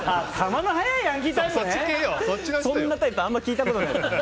そんなタイプあんまり聞いたことないです。